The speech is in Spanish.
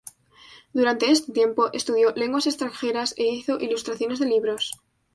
Durante este tiempo estudió lenguas extranjeras e hizo ilustraciones de libros.